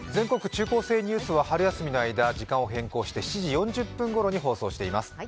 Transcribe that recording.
中高生ニュース」は春休みの間時間を変更して７時４０分ごろに放送しています。